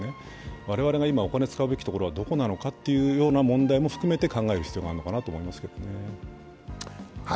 我々が今、お金を使うべきところはどこなのかも含めて考える必要があると思います。